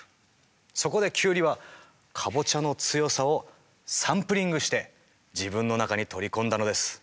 そこでキュウリはカボチャの強さをサンプリングして自分の中に取り込んだのです。